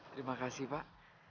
terima kasih pak